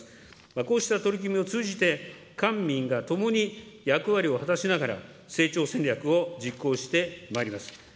こうした取り組みを通じて、官民が共に役割を果たしながら、成長戦略を実行してまいります。